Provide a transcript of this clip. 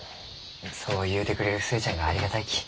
そう言うてくれる寿恵ちゃんがありがたいき。